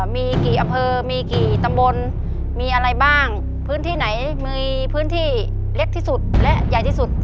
มีกี่อำเภอมีกี่ตำบลมีอะไรบ้างพื้นที่ไหนมีพื้นที่เล็กที่สุดและใหญ่ที่สุด